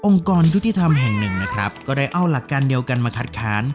กรยุติธรรมแห่งหนึ่งนะครับก็ได้เอาหลักการเดียวกันมาคัดค้าน